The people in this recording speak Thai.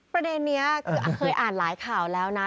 ประเด็นนี้คือเคยอ่านหลายข่าวแล้วนะ